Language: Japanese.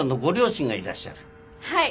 はい。